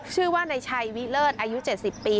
ชื่อว่านายชัยวิเลิศอายุ๗๐ปี